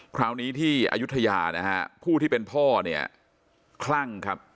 คราวนี้ที่อายุทยานะฮะผู้ที่เป็นพ่อเนี่ยคลั่งครับ